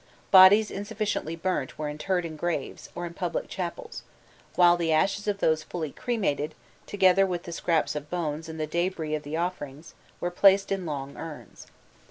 Bodies insufficiently burnt were interred in graves, or in public chapels; while the ashes of those fully cremated, together with the scraps of bones and the debris of the offerings, were placed in long urns.